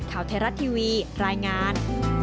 ข่าวไทยรัฐทีวีรายงาน